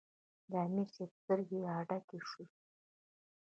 د امیر صېب سترګې راډکې شوې ـ